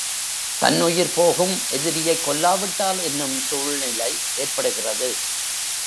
தன்னுயிர் போகும் எதிரியைக் கொல்லாவிட்டால் என்னும் சூழ்நிலை ஏற்படுகிறது.